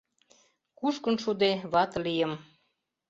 Кушкын шуыде, вате лийым.